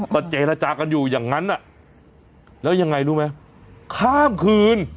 ก็เจรจากันอยู่อย่างนั้นแล้วยังไงรู้ไหมข้ามคืน